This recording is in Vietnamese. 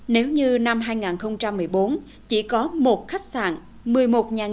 nếu như năm hai nghìn một mươi bốn chỉ cós yến một khách sạn một mươi một nhà nghỉ với chín mươi năm phòng